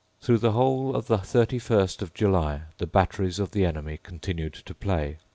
Through the whole of the thirty first of July the batteries of the enemy continued to play.